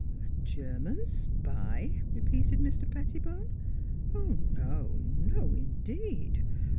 "A German spy?" repeated Mr. Pettibone; "oh, no no, indeed!